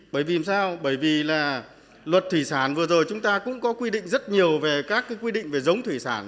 bởi vì sao bởi vì là luật thủy sản vừa rồi chúng ta cũng có quy định rất nhiều về các quy định về giống thủy sản